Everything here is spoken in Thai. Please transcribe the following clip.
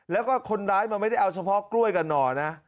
แล้วก็คนร้ายมันไม่ได้เอาเฉพาะกล้วยกับหน่อนะ